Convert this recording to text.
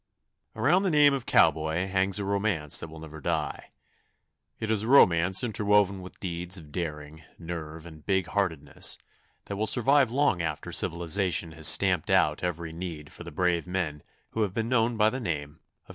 Around the name of cowboy hangs a romance that will never die. It is a romance interwoven with deeds of daring, nerve, and big heartedness that will survive long after civilization has stamped out every need for the brave men who have been known by the name of cowboy.